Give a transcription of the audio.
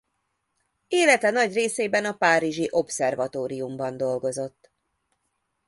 Élete nagy részében a Párizsi Obszervatóriumban dolgozott.